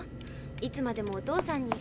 いつまでもお父さんに。